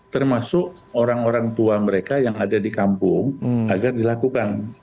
termasuk orang orang tua mereka yang ada di kampung agar dilakukan